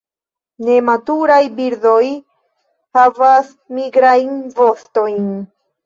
Nematuraj birdoj havas nigrajn vostojn.